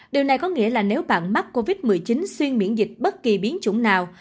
điều này có nghĩa là nếu bạn mắc covid một mươi chín xuyên miễn dịch bất kỳ biến chủng nào